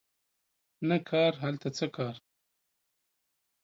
نه کار هلته څه کار